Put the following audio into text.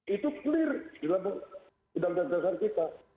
itu clear dalam dasar dasar kita